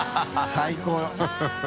最高。